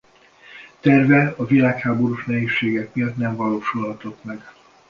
Terve a világháborús nehézségek miatt nem valósulhatott meg.